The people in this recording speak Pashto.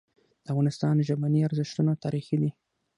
د افغانستان ژبني ارزښتونه تاریخي دي.